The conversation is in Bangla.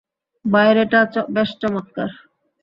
বাইরেটা বেশ চমৎকার।